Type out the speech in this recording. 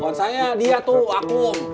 bukan saya dia tuh akum